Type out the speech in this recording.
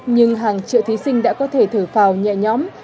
nhưng hàng triệu thí sinh đã có thể thử phào nhẹ nhõm